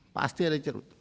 pasti ada cerutu